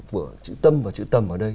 của chữ tâm và chữ tầm ở đây